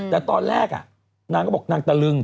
แต่ตอนแรกนางก็บอกนางตะลึง